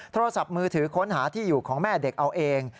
โทรศัพท์มือถือค้นหาที่อยู่ของแม่เด็กเอาเอง